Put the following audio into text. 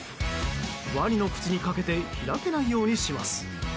ワニの口にかけて開けないようにします。